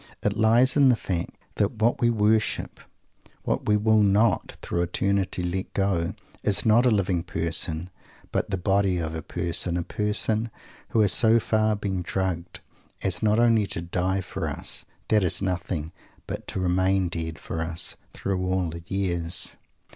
It lies in the fact that what we worship, what we will not, through eternity, let go, is not a living person, but the "body" of a person; a person who has so far been "drugged," as not only to die for us that is nothing! but to remain dead for us, through all the years!